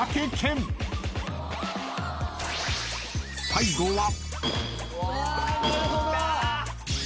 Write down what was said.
［最後は］